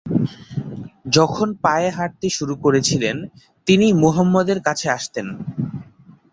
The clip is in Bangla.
যখন পায়ে হাঁটতে শুরু করেছিলেন তিনি মুহাম্মদ এর কাছে আসতেন।